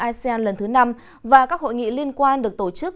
asean lần thứ năm và các hội nghị liên quan được tổ chức